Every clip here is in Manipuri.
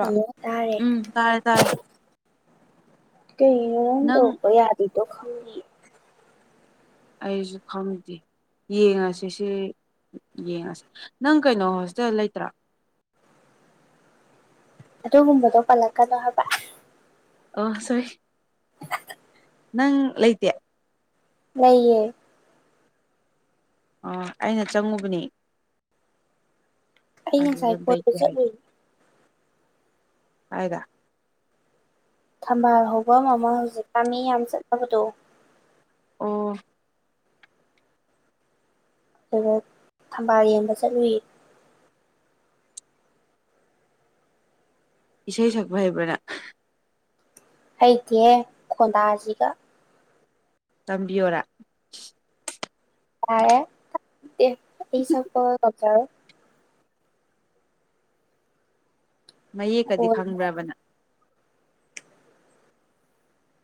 ꯍꯜꯂꯣ ꯇꯥꯔꯦ ꯎꯝ ꯇꯥꯔꯦ ꯇꯥꯔꯦ ꯀꯩꯉꯣꯝ ꯅꯪ ꯇꯧꯕ ꯌꯥꯗꯔꯤꯗꯣ ꯈꯪꯗꯤꯌꯦ ꯑꯩꯁꯨ ꯈꯝꯗꯤ ꯌꯦꯡꯉꯁꯤ ꯁꯤ ꯌꯦꯡꯉꯁꯤ ꯅꯪ ꯀꯩꯅꯣ ꯢꯁꯇ ꯂꯩꯇ꯭ꯔꯣ ꯑꯗꯨꯒꯨꯝꯕꯗꯣ ꯄꯜꯂꯛꯀꯗꯣ ꯍꯥꯏꯕ ꯑꯣ ꯁꯣꯔꯤ ꯅꯪ ꯂꯩꯇꯦ ꯂꯩꯌꯦ ꯑꯣ ꯑꯩꯅ ꯆꯪꯉꯨꯕꯅꯦ ꯑꯩ ꯉꯁꯥꯏ ꯑꯗꯨꯗ ꯀꯣꯏꯕ ꯂꯩꯇꯦ ꯍꯥꯏ ꯆꯠꯂꯨꯏ ꯀꯥꯢꯗ ꯊꯝꯕꯥꯜ ꯍꯧꯕ ꯃꯃꯜ ꯍꯧꯖꯤꯛꯀꯥꯟ ꯃꯤ ꯌꯥꯝ ꯆꯠꯅꯕꯗꯣ ꯑꯣ ꯍꯂꯣ ꯊꯝꯕꯥꯜ ꯌꯦꯡꯕ ꯆꯠꯂꯨꯏꯌꯦ ꯏꯁꯩ ꯁꯛꯄ ꯍꯩꯕ꯭ꯔꯥꯅꯦ ꯍꯩꯇꯤꯌꯦ ꯈꯣꯟꯗꯥꯁꯤꯒ ꯇꯝꯕꯤꯌꯣꯔꯥ ꯌꯥꯔꯦ UNINTELLIGIBLE ꯑꯩ ꯁꯛꯄꯒ ꯉꯝꯖꯔꯔꯣꯢ ꯃꯌꯦꯛꯀꯗꯤ ꯈꯣꯟꯅ ꯈꯪꯕ꯭ꯔꯕ ꯅꯪ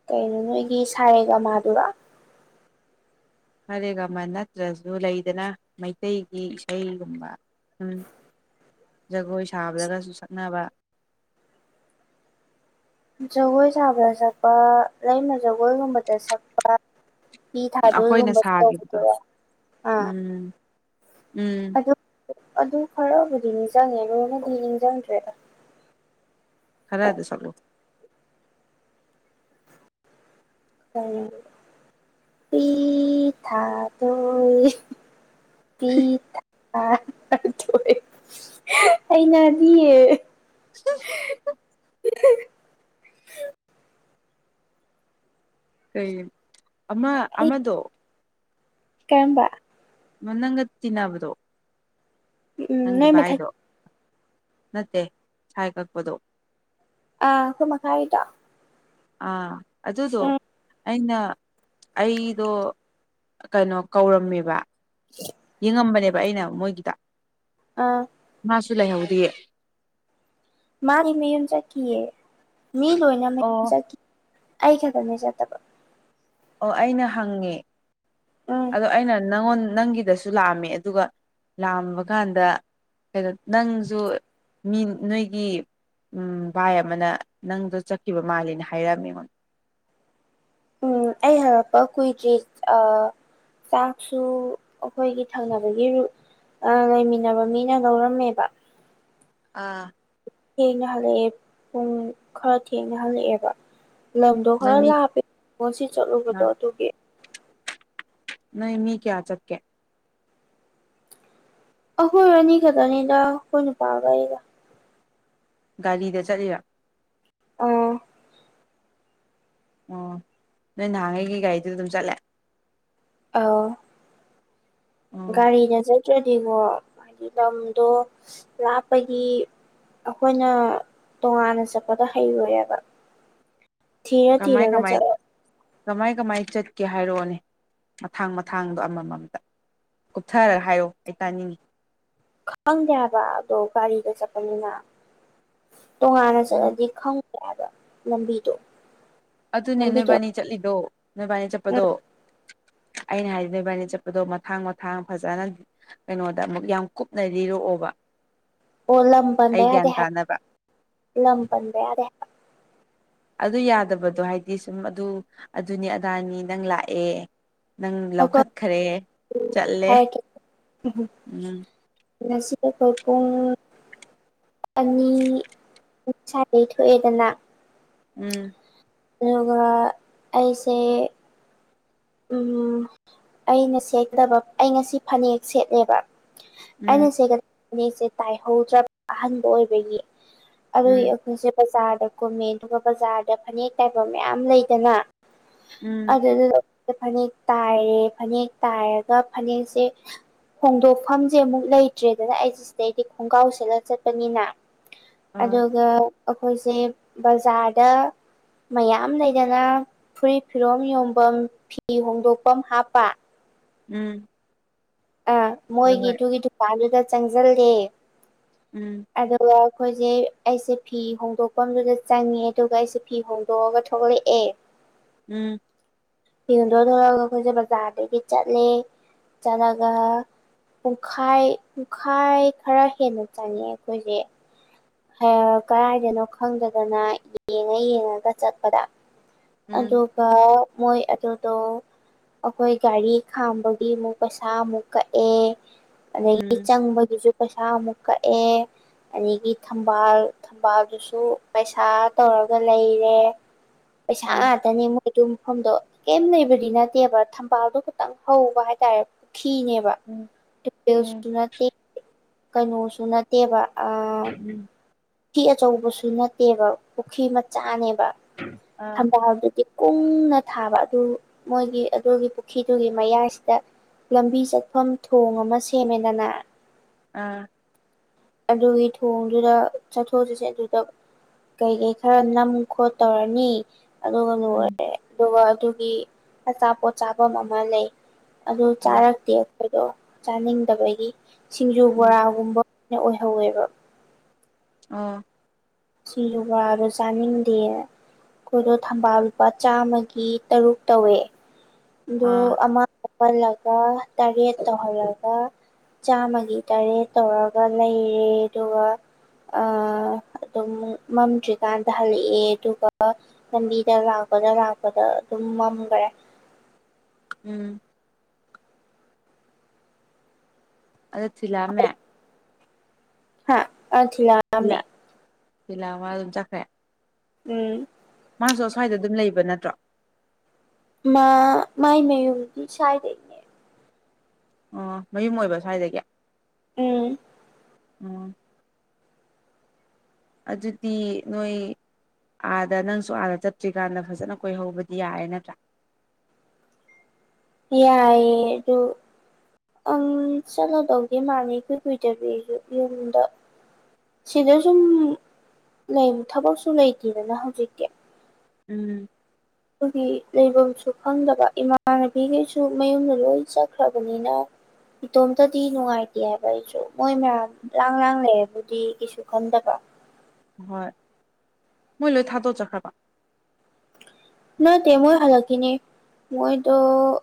ꯀꯩꯅꯣ ꯅꯣꯏꯒꯤ ꯁꯥꯔꯦꯒꯃꯥꯗꯨꯔꯣ ꯁꯥꯔꯦꯒꯃꯥ ꯅꯠꯇ꯭ꯔꯁꯨ ꯂꯩꯗꯅ ꯃꯩꯇꯩꯒꯤ ꯏꯁꯩꯒꯨꯝꯕ ꯎꯝ ꯖꯒꯣꯏ ꯁꯥꯕꯗꯒꯁꯨ ꯁꯛꯅꯕ ꯖꯒꯣꯏ ꯁꯥꯕꯗ ꯁꯛꯄ ꯂꯩꯃ ꯖꯒꯣꯏꯒꯨꯝꯕꯗ ꯁꯛꯄ ꯄꯤ ꯑꯩꯈꯣꯏꯅ ꯊꯥꯗꯣꯏꯒꯨꯝꯕ ꯁꯥꯈꯤꯕꯗꯣ UNINTELLIGIBLE ꯑꯥ ꯎꯝ ꯎꯝ ꯑꯗꯨ ꯑꯗꯨ ꯈꯔꯕꯨꯗꯤ ꯅꯤꯡꯖꯪꯉꯦ ꯂꯣꯏꯅꯗꯤ ꯅꯤꯡꯖꯪꯗ꯭ꯔꯦꯗ ꯈꯔꯗꯣ ꯁꯛꯂꯣ ꯄꯤ ꯊꯥꯗꯣꯢ ꯄꯤ ꯊꯥꯗꯣꯢ ꯍꯩꯅꯗꯤꯌꯦ [inaudible] ꯀꯩ ꯑꯃ ꯑꯃꯗꯣ ꯀꯦꯝꯕ ꯅꯪꯒ ꯇꯤꯟꯅꯕꯗꯣ ꯎꯝ ꯅꯪꯒꯤ ꯅꯣꯏ ꯃꯊꯛ ꯚꯥꯏꯗꯣ ꯅꯠꯇꯦ ꯁꯥꯏ ꯀꯛꯄꯗꯣ ꯑꯩꯈꯣꯏ ꯃꯈꯥꯒꯤꯗꯣ ꯑꯥ ꯑꯗꯨꯗꯣ ꯎꯝ ꯑꯩꯅ ꯑꯩꯗꯣ ꯀꯩꯅꯣ ꯀꯧꯔꯝꯃꯦꯕ ꯌꯦꯡꯉꯝꯕꯅꯦꯕ ꯑꯩꯅ ꯃꯣꯏꯒꯤꯗ ꯑꯥ ꯃꯥꯁꯨ ꯂꯩꯍꯧꯗꯤꯌ‌‌ꯦ ꯃꯥꯗꯤ ꯃꯌꯨꯝ ꯆꯠꯈꯤꯌꯦ ꯃꯤ ꯂꯣꯏꯅ ꯃꯌꯨꯝ ꯑꯣ ꯆꯠꯈꯤ ꯑꯩ ꯈꯛꯇꯅꯦ ꯆꯠꯇꯕ ꯑꯣ ꯑꯩꯅ ꯍꯪꯉꯦ ꯎꯝ ꯑꯗꯣ ꯑꯩꯅ ꯅꯪꯉꯣꯟ ꯅꯪꯒꯤꯗꯁꯨ ꯁꯨ ꯂꯥꯑꯝꯃꯦ ꯑꯗꯨꯒ ꯂꯥꯝꯕ ꯀꯥꯟꯗ ꯀꯩꯅꯣ ꯅꯪꯖꯨ ꯃꯤ ꯅꯣꯏꯒꯤ ꯎꯝ ꯚꯥꯏ ꯑꯃꯅ ꯅꯪꯗꯣ ꯆꯠꯈꯤꯕ ꯃꯥꯜꯂ‌ꯦꯅ ꯍꯥꯏꯔꯛꯑꯝꯃꯦ ꯑꯩꯉ‌ꯣꯟꯗ ꯎꯝ ꯑꯩ ꯍꯂꯛꯄ ꯀꯨꯏꯗ꯭ꯔꯤ ꯑ ꯆꯥꯛꯁꯨ ꯑꯩꯈꯣꯏꯒꯤ ꯊꯪꯅꯕꯒꯤ ꯔ ꯑ ꯂꯩꯃꯤꯟꯅꯕ ꯃꯤꯅ ꯂꯧꯔꯝꯃꯦꯕ ꯑꯥ ꯊꯦꯡꯅ ꯍꯜꯂꯛꯑꯦ ꯄꯨꯡ ꯈꯔ ꯊꯦꯡꯅ ꯍꯜꯂꯛꯑꯦꯕ ꯂꯝꯗꯣ ꯅꯣꯏ ꯈꯔ ꯃꯤ ꯂꯥꯞꯄꯦ ꯁꯤ ꯆꯠꯂꯨꯕꯗꯣ ꯑꯗꯨꯒꯤ ꯅ‌ꯣꯏ ꯃꯤ ꯀꯌꯥ ꯆꯠꯀꯦ ꯑꯩꯈꯣꯏ ꯑꯅꯤ ꯈꯛꯇꯅꯤꯗ ꯑꯩꯈꯣꯏ ꯅꯨꯄꯥꯒ ꯑꯩꯒ ꯒꯥꯔꯤꯗ ꯆꯠꯂꯤꯔ ꯑꯥ ꯑꯣ ꯅꯣꯏ ꯅꯍꯥꯟꯉꯩꯒꯤ ꯒꯥꯔꯤꯗꯨ ꯑꯗꯨꯝ ꯆꯠꯂꯦ ꯑꯥꯎ ꯎꯝ ꯒꯥꯔꯤꯗ ꯆꯠꯇ꯭ꯔꯗꯤꯉ‌ꯣ ꯍꯥꯏꯗꯤ ꯂꯝꯗꯣ ꯂꯥꯞꯄꯒꯤ ꯑꯩꯈꯣꯏꯅ ꯇꯣꯉꯥꯟꯅ ꯆꯠꯄꯗ ꯍꯩꯔꯣꯏꯦꯕ ꯀꯃꯥꯏ ꯀꯃꯥꯏ ꯆꯠꯂ ꯀꯃꯥꯏ ꯀꯃꯥꯏ ꯆꯠꯀꯦ ꯍꯥꯏꯔꯛꯑꯣꯅꯦ ꯃꯊꯥꯡ ꯃꯊꯥꯡꯗꯣ ꯑꯃꯃꯝꯇ ꯀꯨꯞꯊꯔꯒ ꯍꯥꯏꯔꯣ ꯑꯩ ꯇꯥꯅꯤꯡꯉꯤ ꯈꯪꯗꯦ ꯍꯥꯏꯕ ꯑꯗꯣ ꯒꯥꯔꯤꯗ ꯆꯠꯄꯅꯤꯅ ꯇꯣꯉꯥꯟꯅ ꯆꯠꯂꯗꯤ ꯈꯪ ꯌꯥꯕ ꯂꯝꯕꯤ ꯗ‌ꯣ ꯑꯗꯨꯅꯦ ꯅꯣꯏꯕꯥꯅꯤ ꯆꯠꯂꯤꯗꯣ ꯅꯣꯏꯕꯥꯅꯤ ꯆꯠꯄꯗꯣ ꯑꯩꯅ ꯍꯥꯏꯕꯗꯤ ꯅ‌ꯣꯏꯕꯥꯏꯅꯤ ꯆꯠꯄꯗꯣ ꯃꯊꯥꯡ ꯃꯊꯥꯡ ꯐꯖꯅ ꯀꯩꯅꯣꯗ ꯑꯃꯨꯛ ꯌꯥꯝ ꯀꯨꯞꯅꯔꯤꯔꯛꯑꯣꯕ ꯑꯣ ꯂꯝꯄꯟꯕ ꯌꯥꯗ‌ꯦ ꯍꯥꯏꯕ ꯇꯥꯅꯕ ꯂꯝꯄꯟꯕ ꯌꯥꯗ‌ꯦ ꯍꯥꯏꯕ ꯑꯗꯨ ꯌꯥꯗꯕꯗꯣ ꯍꯥꯏꯗꯤ ꯁꯨꯝ ꯑꯗꯨ ꯑꯗꯨꯅꯤ ꯑꯗꯥꯅꯤ ꯅꯪ ꯂꯥꯛꯑꯦ ꯅꯪ ꯑꯩꯈꯣꯏ ꯂꯧꯈꯠꯈꯔꯦ ꯆꯠꯂꯦ ꯍꯥꯏꯔꯛꯀꯦ ꯎꯝ [unintelligible] ꯑꯅꯤꯁꯥꯏꯗꯒꯤ ꯊꯣꯛꯑꯦꯗꯅ ꯎꯝ ꯑꯗꯨꯒ ꯑꯩꯁꯦ ꯎꯝ ꯑꯩꯅ ꯁꯦꯠꯇꯕ ꯑꯩ ꯉꯁꯤ ꯐꯅꯦꯛ ꯁꯦꯠꯂꯦꯕ ꯑꯩꯅ ꯎꯝ ꯁꯦꯠꯀꯗ ꯇꯥꯏꯍꯧꯗ꯭ꯔ‌ꯕ ꯑꯍꯟꯥꯟꯕ ꯑꯣꯏꯕꯒꯤ ꯑꯗꯨꯏ ꯎꯝ ꯑꯩꯈꯣꯏꯁꯦ ꯕꯖꯥꯔꯗ ꯀꯨꯝꯃꯦ ꯑꯗꯨꯒ ꯕꯖꯥꯔꯗ ꯐꯅꯦꯛ ꯇꯥꯏꯕ ꯃꯌꯥꯝ ꯂꯩꯗꯅ ꯎꯝ ꯑꯗꯨꯗ ꯐꯅꯦꯛ ꯇꯥꯏꯔꯦ ꯐꯅꯦꯛ ꯇꯥꯏꯔꯒ ꯐꯅꯦꯛꯁꯦ ꯍꯣꯡꯗꯣꯛꯐꯝꯁꯦ ꯑꯃꯨꯛ ꯂꯩꯇ꯭ꯔꯦꯗꯅ ꯑꯩꯁꯦ ꯁꯤꯗꯩꯗꯤ ꯈꯣꯡꯒ꯭ꯔꯥꯎ ꯁꯠꯂꯒ ꯆꯠꯄꯅꯤꯅ ꯑ ꯑꯗꯨꯒ ꯑꯩꯈꯣꯏꯁꯦ ꯕꯖꯥꯔꯗ ꯃꯌꯥꯝ ꯂꯩꯗꯅ ꯐꯨꯔꯤꯠ ꯐꯤꯔꯣꯝ ꯌꯣꯝꯐꯝ ꯐꯤ ꯍꯣꯡꯗꯣꯛꯐꯝ ꯍꯥꯞꯄ ꯎꯝ ꯑꯥ ꯍꯣꯏ ꯍꯣꯏ ꯃꯣꯏꯒꯤꯗꯨꯒꯤ ꯗꯨꯀꯥꯟꯗꯨꯗ ꯆꯪꯖꯜꯂ‌ꯦ ꯎꯝ ꯑꯗꯨꯒ ꯑꯩꯈꯣꯏꯁꯦ ꯑꯩꯁꯦ ꯐꯤ ꯍꯣꯡꯗꯣꯛꯄꯝꯗꯨꯗ ꯆꯪꯉꯦ ꯑꯗꯨꯒ ꯑꯩꯁꯦ ꯐꯤ ꯍꯣꯡꯗꯣꯛꯑꯒ ꯊꯣꯛꯂꯛꯑꯦ [unintelligible] ꯎꯝ ꯐꯤꯍꯣꯛꯗꯣꯛ ꯊꯣꯛꯂꯛꯑꯒ ꯑꯩꯈꯣꯏꯁꯦ ꯕꯖꯥꯔꯗꯒꯤ ꯆꯠꯂꯦ ꯆꯠꯂ ꯑꯗꯨꯒ ꯄꯨꯡꯈꯥꯏ ꯄꯨꯡꯈꯥꯏ ꯈꯔ ꯍꯦꯟꯅ ꯆꯪꯉꯦ ꯑꯩꯈꯣꯏꯁꯦ ꯑ ꯀꯗꯥꯥꯏꯗꯅꯣ ꯈꯪꯗꯗꯅ ꯌꯦꯡꯉ ꯌꯦꯡꯉꯒ ꯆꯠꯄꯗ ꯎꯝ ꯑꯗꯨꯒ ꯃꯣꯏ ꯑꯗꯨꯗꯣ ꯑꯩꯈꯣꯏ ꯒꯥꯔꯤ ꯈꯥꯝꯕꯒꯤ ꯑꯃꯨꯛ ꯄꯩꯁꯥꯃꯨꯛ ꯀꯛꯑꯦ ꯑꯗꯒꯤ ꯎꯝ ꯆꯪꯕꯒꯤꯁꯨ ꯄꯩꯁꯥ ꯑꯃꯨꯛ ꯀꯛꯑꯦ ꯑꯗꯒꯤ ꯊꯝꯕꯥꯜ ꯊꯝꯕꯥꯜꯗꯨꯁꯨ ꯄꯩꯁꯥ ꯇꯧꯔꯒ ꯂꯩꯔꯦ ꯄꯩꯁꯥ ꯎꯝ ꯉꯥꯛꯇꯅꯦ ꯑꯗꯨ ꯃꯐꯝꯗꯣ ꯀꯩꯝ ꯂꯩꯕꯗꯤ ꯅꯠꯇꯦꯕ ꯊꯝꯕꯥꯜꯗꯣ ꯈꯇꯪ ꯍꯧꯕ ꯍꯥꯏꯇꯥꯔꯦ ꯄꯨꯈ꯭ꯔꯤꯅꯦꯕ ꯎꯝ ꯎꯝ [inaudible] ꯅꯠꯇ ꯀꯩꯅꯣꯁꯨ ꯅꯠꯇꯦꯕ ꯑ ꯎꯝ ꯄꯨꯈ꯭ꯔꯤ ꯑꯆꯧꯕꯁꯨ ꯅꯠꯇꯦꯕ ꯄꯨꯈ꯭ꯔꯤ ꯃꯆꯥꯅꯦꯕ ꯑꯥ ꯊꯝꯕꯥꯜ ꯇꯤ ꯀꯨꯡꯅ ꯊꯥꯕ ꯑꯗꯨ ꯃꯣꯏꯒꯤ ꯑꯗꯨꯒꯤ ꯄꯨꯈ꯭ꯔꯤꯗꯨꯒꯤ ꯃꯌꯥꯏꯁꯤꯗ ꯂꯝꯕꯤ ꯆꯠꯐꯝ ꯊꯣꯡ ꯑꯃ ꯁꯦꯝꯃꯦꯗꯅ ꯑꯥ ꯑꯗꯨꯒꯤ ꯊꯣꯡꯗꯨꯗ ꯆꯠꯊꯣꯛꯆꯁꯤꯟ ꯑꯗꯨꯗ ꯀꯩ ꯀꯩ ꯈꯔ ꯅꯝ ꯈꯣꯠ ꯇꯧꯔꯅꯤ ꯑꯗꯨꯒ ꯎꯝ ꯂꯣꯏꯑꯦ ꯑꯗꯨꯒ ꯑꯗꯨꯒꯤ ꯑꯆꯥꯄꯣꯠ ꯆꯥꯐꯝ ꯑꯃ ꯂꯩ ꯑꯗꯨ ꯎꯝ ꯆꯥꯔꯛꯇꯦ ꯑꯩꯈꯣꯏꯗꯣ ꯆꯥꯅꯤꯡꯗꯕꯒꯤ ꯁꯤꯡꯖꯨ ꯎꯝ ꯕꯣꯔꯥꯒꯨꯝꯕ ꯑꯣꯏꯍꯧꯋꯦꯕ ꯑ ꯁꯤꯌꯨꯕ ꯗꯨ ꯆꯅꯤꯛꯗꯦ ꯑꯩꯈꯣꯏꯗꯣ ꯊꯝꯕꯥꯜ ꯂꯨꯄꯥ ꯆꯥꯝꯃꯒꯤ ꯇꯔꯨꯛ ꯇꯧꯋꯦ ꯑꯗꯣ ꯑꯥ ꯑꯃ ꯇꯧꯍꯜꯂꯒ ꯇꯔꯦꯠ ꯇꯧꯍꯜꯂꯒ ꯆꯥꯃꯒꯤ ꯇꯔꯦ ꯇꯧꯔꯒ ꯂꯩꯔꯦ ꯑꯗꯨꯒ ꯑ ꯑꯗꯨꯝ ꯃꯝꯗ꯭ꯔꯤꯀꯥꯟꯗ ꯍꯜꯂꯛꯑꯦ ꯑꯗꯨꯒ ꯂꯝꯕꯤꯗ ꯂꯥꯛꯄꯗ ꯂꯥꯛꯄꯗ ꯑꯗꯨꯝ ꯃꯝꯈꯔꯦ ꯎꯝ ꯑꯗꯨ ꯊꯤꯂꯛꯑꯝꯃꯦ ꯍꯥ ꯑ ꯊꯤꯟꯂꯛ ꯂꯤꯂꯥ ꯊꯤꯂꯛꯑꯝ ꯃꯥ ꯑꯗꯨꯝ ꯆꯈ꯭ꯔꯦ ꯎꯝ ꯃꯥꯁꯨ ꯑꯁ꯭ꯋꯥꯏꯗ ꯑꯗꯨꯝ ꯂꯩꯕ ꯅꯠꯇ꯭ꯔꯣ ꯃꯥ ꯃꯥꯥꯏ ꯃꯌꯨꯝꯗꯤ ꯁꯥꯏꯗꯩ ꯑꯣ ꯃꯌꯨꯝ ꯑꯣꯏꯕ ꯁ꯭ꯋꯥꯏꯗꯒꯤ ꯎꯝ ꯎꯝ ꯑꯗꯨꯗꯤ ꯅꯣꯏ ꯑꯥꯗ ꯅꯪꯁꯨ ꯑꯥꯗ ꯆꯠꯇ꯭ꯔꯤꯀꯥꯟꯗ ꯐꯖꯅ ꯀꯣꯏꯍꯧꯕꯗꯤ ꯌꯥꯔꯦ ꯅꯠꯇ꯭ꯔꯥ ꯌꯥꯏꯑꯦ ꯑꯗꯨ ꯑꯪ ꯆꯠꯂꯗꯧꯒꯦ ꯃꯥꯅꯤ ꯏꯀꯨꯏ ꯀꯨꯏꯗꯕꯤ ꯑꯩꯁꯨ ꯌꯨꯝꯗ ꯁꯤꯗ ꯁꯨꯝ ꯂꯩ ꯊꯕꯛꯁꯨ ꯂꯩꯇꯦꯗꯅ ꯍꯧꯖꯤꯛꯇꯤ ꯎꯝ ꯑꯗꯨꯒꯤ ꯂꯩꯕꯝꯁꯨ ꯈꯪꯗꯕ ꯏꯃꯥꯟꯅꯕꯤꯈꯩꯁꯨ ꯃꯌꯨꯝꯗ ꯂꯣꯏ ꯆꯠꯈ꯭ꯔꯕꯅꯤꯅ ꯏꯇꯣꯝꯇꯗꯤ ꯅꯨꯡꯉꯥꯏꯇꯦ ꯍꯥꯏꯕ ꯑꯩꯁꯨ ꯃꯣꯏ ꯃꯌꯥꯝ ꯂꯥꯡ ꯂꯥꯡ ꯂꯩꯩꯔꯕꯨꯗꯤ ꯀꯩꯁꯨ ꯈꯟꯗꯕ꯭ ꯍꯣꯏ ꯃꯣꯏ ꯂꯣꯏ ꯊꯥꯗꯣꯛꯑꯒ ꯆꯠꯈ꯭ꯔꯕ ꯅꯠꯇꯦ ꯃꯣꯏ ꯍꯜꯂꯛꯈꯤꯅꯤ ꯃꯣꯏꯗꯣ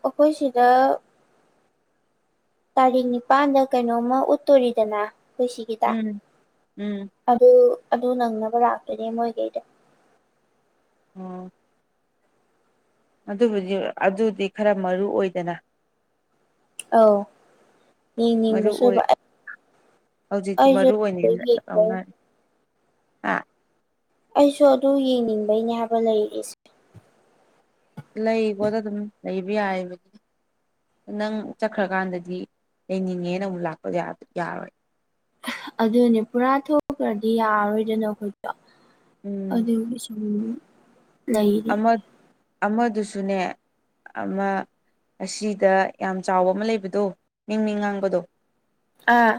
ꯑꯩꯈꯣꯏ ꯁꯤꯗ ꯇꯥꯔꯤꯛ ꯅꯤꯄꯥꯟꯗ ꯀꯩꯅꯣꯝꯃ ꯎꯠꯇꯨꯔꯤꯗꯅ ꯑꯩꯈꫭꯏꯁꯤꯒꯤꯗ ꯎꯝ ꯎꯝ ꯑꯗꯨ ꯑꯗꯨ ꯅꯪꯅꯕ ꯂꯥꯛꯇꫭꯏꯅꯦ ꯃꯣꯏꯒꯩꯗꫭ ꯑꫭ ꯑꯗꯨꯕꯨꯗꯤ ꯑꯗꯨꯗꯤ ꯈꯔ ꯃꯔꯨ ꯑꯣꯏꯗꯅ ꯑꯧ ꯃꯔꯨ ꯌꯦꯡꯅꯤꯡꯕꯁꯨ ꯑꯣꯏ ꯑꫭꯏꯕ ꯍꯧꯖꯤꯛꯇꯤ ꯃꯔꯨ ꯑꯣꯏꯅ ꯌꯦꯡꯕꯩ ꯂꯧꯅꯔꯦ ꯑꯥ ꯑꯩꯁꯨ ꯑꯗꯨ ꯌꯦꯡꯅꯤꯡꯕꯩꯅꯦ ꯍꯥꯏꯕ ꯂꯩꯔꯤꯁꯦ ꯂꯩꯒꫭꯗ ꯑꯗꯨꯝ ꯂꯩꯕ ꯌꯥꯏꯕꯒꯤ ꯅꯪ ꯆꯠꯈ꯭ꯔꯀꯥꯟꯗꯗꯤ ꯂꯩꯅꯤꯡꯉꯦꯅ ꯑꯃꯨꯛ ꯂꯥꯛꯄ ꯌꯥ ꯌꯥꯔꯣꯏ ꯑꯗꯨꯅꯦ ꯄꯨꯔꯥ ꯊꯣꯛꯈ꯭ꯔꯗꯤ ꯌꯥꯔꯣꯏꯗꯅ ꯑꯩꯈꯣꯏ ꯎꯝ ꯑꯗꯨꯒꯤ ꯁꯨꯝ ꯂꯩꯔꯤ ꯑꯃ ꯑꯃꯗꯨꯁꯨꯅꯦ ꯑꯃ ꯑꯁꯤꯗ ꯌꯥꯝ ꯆꯥꯎꯕ ꯑꯃ ꯂꯩꯕꯗꯣ ꯃꯤ ꯃꯤ ꯉꯥꯡꯕꯗꯣ ꯑꯥ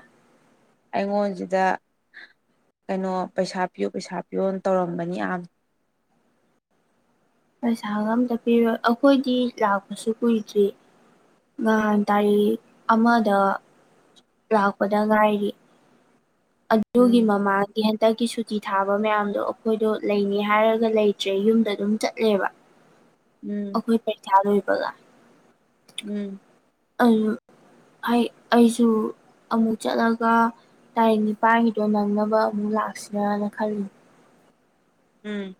ꯑꯩꯉꯣꯟꯖꯤꯗ ꯀꯩꯅꯣ ꯄꯩꯁꯥ ꯄꯤꯌꯨ ꯄꯩꯁꯥ ꯄꯤꯌꯨ ꯇꯧꯔꯝꯕꯅꯤ ꯌꯥꯝ ꯄꯩꯁꯥꯒ ꯑꯝꯇ ꯄꯤꯔꯣꯏ ꯑꯩꯈꯣꯏꯗꯤ ꯂꯥꯛꯄꯁꯨ ꯀꯨꯏꯗ꯭ꯔꯤ ꯅꯍꯥꯟ ꯇꯥꯔꯤꯛ ꯑꯃꯗ ꯂꯥꯛꯄꯗ ꯉꯥꯏꯔꯤ ꯑꯗꯨꯒꯤ ꯎꯝ ꯃꯃꯥꯡ ꯀꯤ ‌ꯍꯟꯇꯛꯀꯤ ꯁꯨꯇꯤ ꯊꯥꯕ ꯃꯌꯥꯝꯗꯣ ꯑꯩꯈꯣꯏꯗꯣ ꯂꯩꯅꯤ ꯍꯥꯏꯔꯒ ꯂꯩꯇ꯭ꯔꯦ ꯌꯨꯝꯗ ꯑꯗꯨꯝ ꯆꯠꯂꯦꯕ [inaudible] ꯎꯝ ꯑꯩꯈꫭꯏ ꯄꯩꯈꯥ ꯂꫭꯏꯕꯒ ꯎꯝ ꯑꯗꯨ ꯑꯩ ꯑꯩꯁꯨ ꯑꯃꯨꯛ ꯆꯠꯂꯒ ꯇꯥꯔꯤꯛ ꯅꯤꯄꯥꯟꯒꯤꯗꯣ ꯅꯪꯅꯕ ꯑꯃꯨꯛ ꯂꯥꯛꯁꯤꯔꯥꯅ ꯈꯜꯂꯤ ꯎꯝ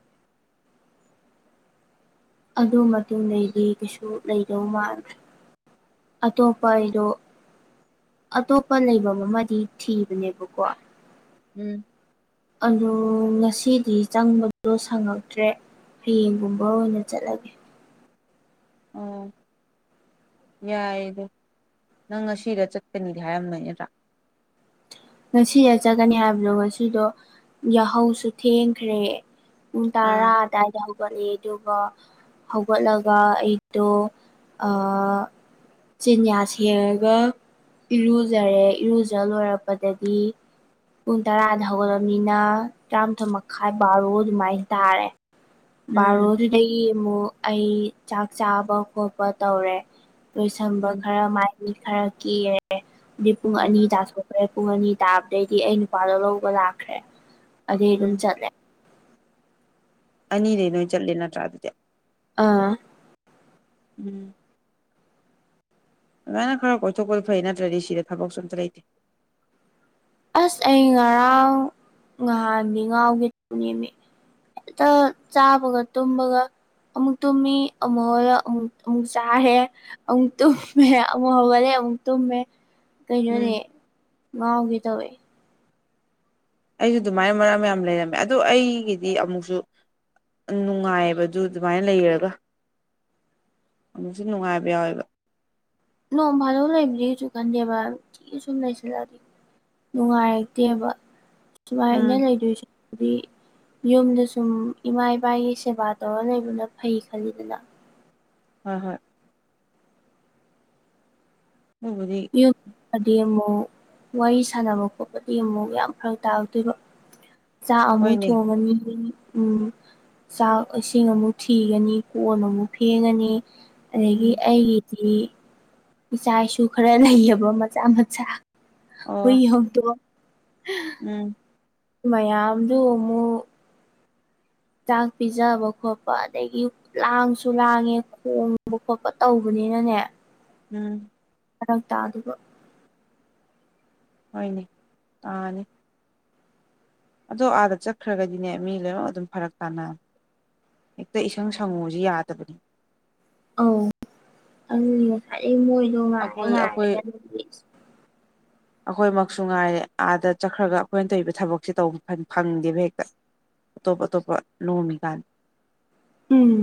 ꯑꯗꯨ ꯃꯇꯨꯡꯗꯩꯗꯤ ꯀꯩꯁꯨ ꯂꯩꯗꯧ ꯃꯥꯟꯗꯔꯦ ꯑꯇꯣꯞꯄ ꯑꯩꯗꯣ ꯑꯇꯣꯞꯄ ꯂꯩꯕꯝ ꯑꯃꯗꯤ ꯊꯤꯕꯅꯦꯕꯀꯣ ꯎꯝ ꯑꯗꯨ ꯉꯁꯤꯗꯤ ꯆꯪꯕꯗꯣ ꯁꯪꯉꯛꯇ꯭ꯔꯦ ꯍꯌꯦꯡꯒꯨꯝꯕ ꯑꯣꯏꯅ ꯆꯠꯂꯒꯦ ꯑꯣ ꯌꯥꯏ ꯑꯗꯨ ꯅꯪ ꯉꯁꯤꯗ ꯆꯠꯀꯅꯤꯗꯤ ꯍꯥꯏꯔꯝꯃꫭꯏ ꯅꯠꯇꯔꯥ ꯉꯁꯤꯗ ꯆꯠꯀꯅꯤ ꯍꯥꯏꯕꯗꯣ ꯉꯁꯤꯗꯣ ꯌꯥꯍꯧꯁꯨ ꯊꯦꯡꯈ꯭ꯔꯦ ꯄꯨꯡ ꯇꯔꯥ ꯑꯥ ꯑꯗꯥꯏ ꯗ ꯍꯧꯒꯠꯂꯦ ꯑꯗꯨꯒ ꯍꯧꯒꯠꯂꯒ ꯑꯩꯗꯣ ꯑꯥ ꯆꯤꯟꯌꯥ ꯁꯦꯡꯉꯒ ꯏꯔꯨꯖꯔꯦ ꯏꯔꯨꯖ ꯂꯣꯏꯔ ꯄꯗꯥꯒꯤ ꯄꯨꯡ ꯇꯔꯥꯗ ꯍꯧꯒꯠꯂꯕꯅꯤꯅ ꯇꯔꯥꯃꯥꯊꯣꯏ ꯃꯈꯥꯏ ꯕꯥꯔꯣ ꯑꯗꯨꯃꯥꯏ ꯇꯥꯔꯦ ꯎꯝ ꯕꯥꯔꯣꯗꯨꯗꯥꯒꯤ ꯑꯃꯨꯛ ꯑꯩ ꯆꯥꯛ ꯆꯥꯕ ꯈꯣꯠꯄ ꯇꯧꯔꯦ ꯂꯣꯏꯁꯟꯕ ꯎꯝ ꯈꯔ ꯃꯥꯏ ꯃꯤꯠ ꯈꯔ ꯀꯦꯔꯦ ꯑꯗꯨ ꯄꯨꯡ ꯎꯝ ꯑꯅꯤ ꯇꯥꯊꯣꯛ ꯑꯗꯩ ꯄꯨꯡ ꯑꯅꯤ ꯇꯥꯕꯗꯩꯗꯤ ꯑꯩ ꯅꯨꯄꯥꯗꯣ ꯂꯧꯕ ꯂꯥꯛꯈ꯭ꯔꯦ ꯑꯗꯩ ꯑꯗꯨꯝ ꯎꯝ ꯆꯠꯂꯦ ꯑꯅꯤꯗꯩ ꯅꯣꯏ ꯆꯠꯂꯦ ꯅꯠꯇ꯭ꯔꯥ ꯑꯗꯨꯗꯤ ꯑꯥ ꯎꯝ ꯑꯗꯨꯃꯥꯏꯅ ꯈꯔ ꯀꯣꯏꯊꯣꯛꯄꯅ ꯐꯩ ꯅꯠꯇ꯭ꯔꯥꯗꯤ ꯁꯤꯗꯥ ꯊꯕꯛꯁꯨ ꯑꯝꯇꯥ ꯂꯩꯇꯦ ꯑꯁ ꯑꯩ ꯉꯔꯥꯡ ꯉꯍꯥꯟ ꯃꯤ ꯉꯥꯎꯒꯦ [inaudible] ꯅꯦꯃꯤ ꯍꯦꯛꯇꯥ ꯆꯥꯕꯒꯥ ꯇꯨꯝꯕꯒꯥ ꯑꯃꯨꯛ ꯇꯨꯝꯃꯤ ꯑꯃꯨꯛ ꯍꯣꯌꯥ ꯑꯃꯨꯛ ꯑꯃꯨꯛ ꯆꯥꯔꯦ ꯑꯃꯨꯛ ꯇꯨꯝꯃꯦ ꯑꯃꯨꯛ ꯍꯧꯒꯠꯂꯦ ꯑꯃꯨꯛ ꯇꯨꯝꯃꯦ ꯀꯩꯩꯅꯣꯅꯦ ꯎꯝ ꯉꯥꯎꯒꯦ ꯇꯧꯋꯦ ꯑꯩꯖꯨ ꯗꯨꯃꯥꯏꯅ ꯃꯔꯛ ꯑꯃ ꯌꯥꯝ ꯂꯩꯔꯝꯃꯦ ꯑꯗꯣ ꯑꯩꯒꯤꯗꯤ ꯑꯃꯨꯛꯁꯨ ꯎꯡ ꯅꯨꯡꯉꯥꯏꯌꯦꯕ ꯑꯗꯨ ꯑꯗꯨꯃꯥꯏꯟ ꯂꯩꯔꯒꯥ ꯑꯃꯨꯛꯁꯨ ꯅꯨꯡꯉꯥꯏꯕ ꯌꯥꯎꯋꯦꯕ ꯅꯣꯡ ꯐꯥꯗꯣꯛ ꯂꯩꯕꯗꯤ ꯀꯩꯁꯨ ꯈꯟꯗꯦꯕ ꯅꯨꯡꯇꯤꯒꯤ ꯁꯨꯝ ꯂꯩꯁꯤꯜꯂꯛꯑꯗꯤ ꯅꯨꯡꯉꯥꯏꯔꯛꯇꯦꯕ ꯁꯨꯃꯥꯏꯅ ꯎꯝ ꯂꯩꯗꯣꯏꯁꯦ ꯄꯨꯗꯤ ꯌꯨꯝꯗꯥ ꯁꯨꯝ ꯏꯃꯥ ꯏꯄꯥꯒꯤ ꯁꯦꯕꯥ ꯇꯧꯔꯥ ꯂꯩꯕꯅ ꯐꯩ ꯈꯜꯂꯤꯗꯅ ꯍꯣꯏ ꯍꯣꯏ ꯗꯨꯕꯨꯗꯤ ꯌꯨꯝꯗꯥꯗꯤ ꯑꯃꯨꯛ ꯋꯥꯔꯤ ꯁꯥꯟꯅꯕ ꯈꯣꯠꯄꯗꯤ ꯑꯃꯨꯛ ꯌꯥꯝ ꯐꯔꯛ ꯇꯥꯔꯛꯇꯣꯏꯕ ꯆꯥꯛ ꯑꯃꯨꯛ ꯍꯣꯏꯅꯦ ꯊꯣꯡꯉꯥꯅꯤ ꯎꯝ ꯆꯥꯛ ꯏꯁꯤꯡ ꯑꯃꯨꯛ ꯊꯤꯒꯥꯅꯤ ꯀꯣꯟ ꯑꯃꯨꯛ ꯐꯦꯡꯉꯥꯅꯤ ꯑꯗꯒꯤ ꯎꯝ ꯑꯩꯒꯤꯗꯤ ꯏꯆꯥ ꯏꯁꯨ ꯈꯔ ꯂꯩꯌꯦꯕ ꯃꯆꯥ ꯃꯆꯥ ꯍꯨꯏ ꯑꯣ ꯍꯧꯗꯣꯡ ꯎꯝ ꯃꯌꯥꯝꯗꯨ ꯎꯃꯨꯛ ꯆꯥꯛ ꯄꯤꯖꯥꯕ ꯈꯣꯠꯄ ꯑꯗꯒꯤ ꯂꯥꯡꯁꯨ ꯂꯥꯡꯉꯦ ꯈꯣꯡꯕ ꯈꯣꯠꯄ ꯇꯧꯕꯅꯤꯅꯅꯦ ꯎꯝ ꯐꯥꯔꯛ ꯇꯥꯗꯨꯕ ꯍꯣꯏꯅꯦ ꯇꯥꯅꯤ ꯑꯗꯣ ꯑꯥꯗ ꯆꯠꯈ꯭ꯔꯥꯒꯗꯤꯅꯦ ꯃꯤ ꯂꯣꯏꯅꯃꯛ ꯑꯗꯨꯝ ꯐꯔꯛ ꯇꯥꯅ ꯍꯦꯛꯇꯥ ꯏꯁꯪ ꯁꯪꯉꯨꯖꯤ ꯌꯥꯗꯕꯅꯤ ꯑꯧ ꯑꯗꯨꯅꯤ ꯉꯁꯥꯏꯗꯩ ꯃꯣꯏꯗꯣ ꯉꯥꯏꯔꯥ ꯑꯩꯈꯣꯏ ꯑꯩꯈꯣꯏ ꯉꯥꯏꯔꯥꯒ [unintelligible] [inaudible] ꯑꯈꯣꯏꯃꯛꯁꯨ ꯉꯥꯏꯔꯦ ꯑꯥꯗ ꯆꯠꯈ꯭ꯔꯥꯒ ꯑꯈꯣꯏꯅ ꯇꯧꯔꯤꯕ ꯊꯕꯛꯁꯦ ꯇꯧ ꯐꯟ ꯐꯪꯗꯦꯕ ꯍꯦꯛꯇꯥ ꯑꯇꯣꯞ ꯑꯇꯣꯞꯄ ꯅꯣꯝꯃꯤ ꯀꯥꯥꯟ ꯎꯝ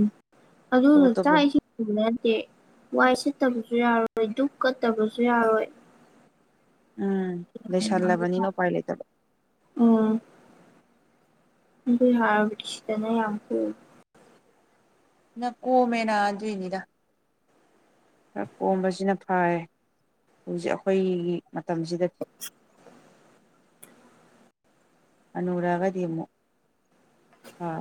ꯑꯇꯣꯞ ꯑꯗꯨꯗꯣ ꯑꯇꯣꯞꯄ ꯆꯥꯛ ꯏꯁꯤꯡ [unintelligible] ꯅꯠꯇꯦ ꯋꯥꯏ ꯁꯤꯠꯇꯥꯕꯖꯨ ꯌꯥꯔꯣꯏ ꯗꯨꯛ ꯀꯠꯇꯥꯕꯖꯨ ꯌꯥꯔꯣꯏ ꯑꯥ [unintelligible] ꯎꯝ ꯑꯗꯨꯏ ꯍꯥꯏꯔꯕꯨꯗꯤ ꯁꯤꯗꯅ ꯌꯥꯝ ꯀꯣꯝ ꯅ ꯀꯣꯝꯃꯦꯅ ꯑꯗꯨꯏꯅꯤꯗ ꯈꯔ ꯀꯣꯝꯕꯁꯤꯅ ꯐꯔꯦ ꯍꯧꯖꯤꯛ ꯑꯩꯈꯣꯏꯒꯤ ꯃꯇꯝꯁꯤꯗꯗꯤ ꯍꯅꯨꯔꯒꯗꯤ ꯑꯃꯨꯛ ꯑꯥ